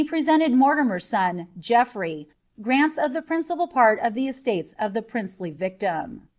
pr«sc.nted Mortimer's son, GeofTrey, grants of the principal part jflf' estates of the princely victim.